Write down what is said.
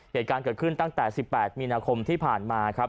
เหตุการณ์เกิดขึ้นตั้งแต่๑๘มีนาคมที่ผ่านมาครับ